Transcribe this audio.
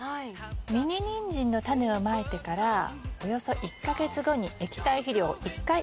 ミニニンジンのタネをまいてからおよそ１か月後に液体肥料を１回与えて下さい。